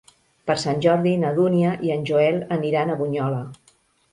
Per Sant Jordi na Dúnia i en Joel aniran a Bunyola.